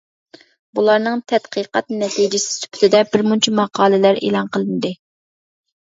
بۇلارنىڭ تەتقىقات نەتىجىسى سۈپىتىدە بىر مۇنچە ماقالىلەر ئېلان قىلىندى.